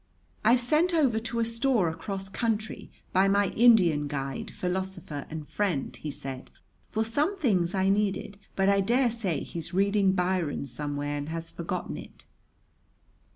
"I've sent over to a store across country, by my Indian guide, philosopher, and friend," he said, "for some things I needed; but I dare say he's reading Byron somewhere and has forgotten it."